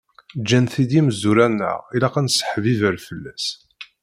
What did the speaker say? Ǧǧan-t-id yimezwura-nneɣ ilaq ad nesseḥbiber fell-as.